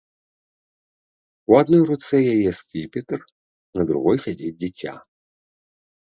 У адной руцэ яе скіпетр, на другой сядзіць дзіця.